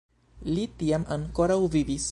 Li tiam ankoraŭ vivis.